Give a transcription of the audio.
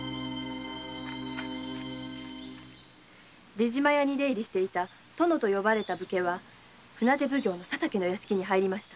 出島屋に出入りしていた「殿」と呼ばれた武家は船手奉行・佐竹の屋敷に入りました。